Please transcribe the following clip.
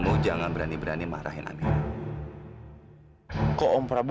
orang nggak terlalu lemah angkat